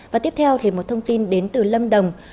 và tiếp theo thì một thông tin đến từ lâm đồng